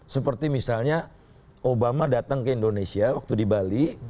seperti misalnya obama datang ke indonesia waktu di bali